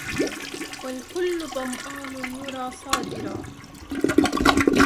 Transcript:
والكلُّ ظمآنُ يُرَى صادِراً